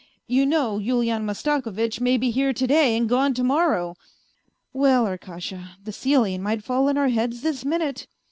You know, Yulian Mastakovitch may be here to day and gone to morrow ..."" Well, Arkasha, the ceiling might fall on our heads this minute."